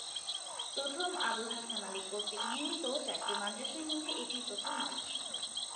প্রথম আবু-ল-হাসান আলী কর্তৃক নির্মিত চারটি মাদ্রাসার মধ্যে এটিই প্রথম মাদ্রাসা।